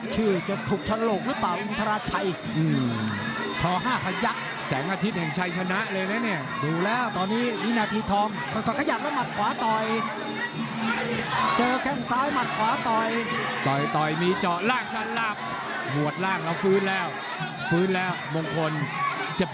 คือจะถูกชะโหลกหรือเปล่าอุทาราชัย